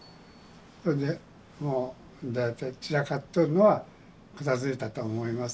これでもう大体散らかっとるのは片づいたと思います。